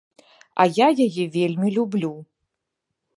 А я яе вельмі люблю.